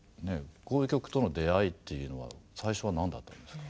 こういう曲との出会いというのは最初は何だったんですか？